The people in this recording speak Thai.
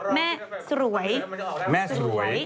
แม่สวยแม่สวย